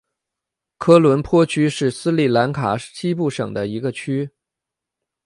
科伦坡区是斯里兰卡西部省的一个区。